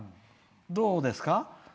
どうですか？